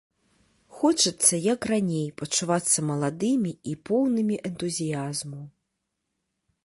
Хочацца, як раней, пачувацца маладымі і поўнымі энтузіязму.